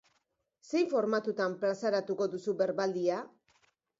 Zein formatutan plazaratuko duzu berbaldia?